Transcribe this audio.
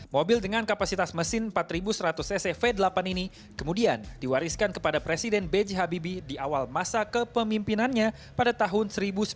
mobil dengan kapasitas mesin empat seratus ccv delapan ini kemudian diwariskan kepada presiden b j habibie di awal masa kepemimpinannya pada tahun seribu sembilan ratus sembilan puluh